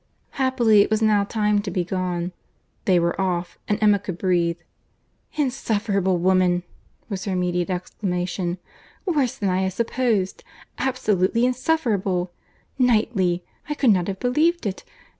Happily, it was now time to be gone. They were off; and Emma could breathe. "Insufferable woman!" was her immediate exclamation. "Worse than I had supposed. Absolutely insufferable! Knightley!—I could not have believed it.